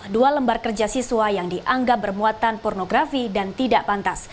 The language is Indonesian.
dua lembar kerja siswa yang dianggap bermuatan pornografi dan tidak pantas